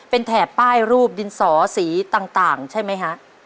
เป็นแถบป้ายรูปดินสอสีต่างใช่ไหมฮะ